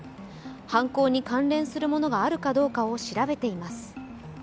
犯行に関連するものがあるかどうかを調べています。